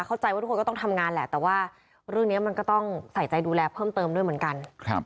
เข้าใจว่าทุกคนก็ต้องทำงานแหละแต่ว่าเรื่องนี้มันก็ต้องใส่ใจดูแลเพิ่มเติมด้วยเหมือนกัน